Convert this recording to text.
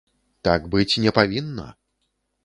Так быць не павінна!